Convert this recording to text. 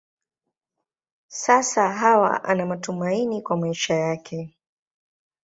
Sasa Hawa ana matumaini kwa maisha yake.